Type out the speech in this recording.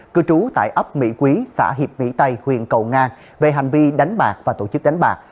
cư trú tại ấp mỹ quý xã hiệp mỹ tây huyện cầu ngang về hành vi đánh bạc và tổ chức đánh bạc